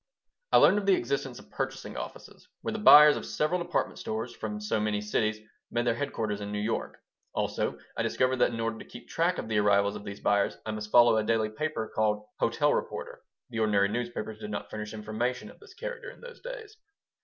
I learned of the existence of "purchasing offices" where the buyers of several department stores, from so many cities, made their headquarters in New York. Also, I discovered that in order to keep track of the arrivals of these buyers I must follow a daily paper called Hotel Reporter (the ordinary newspapers did not furnish information of this character in those days).